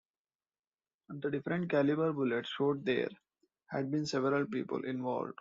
The different caliber bullets showed there had been several people involved.